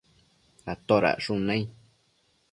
atodacshun nai?